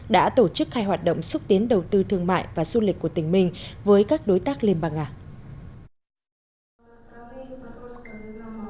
đã tổ chức hai hoạt động xúc tiến đầu tư thương mại và du lịch của tỉnh mình với các đối tác liên bang nga